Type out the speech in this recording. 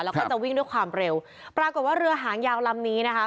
แล้วก็จะวิ่งด้วยความเร็วปรากฏว่าเรือหางยาวลำนี้นะคะ